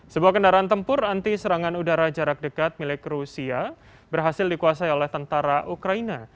sebuah kendaraan tempur anti serangan udara jarak dekat milik rusia berhasil dikuasai oleh tentara ukraina